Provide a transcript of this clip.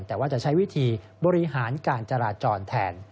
แต่ว่าจะใช้วิธีบริหารการจราจรแทน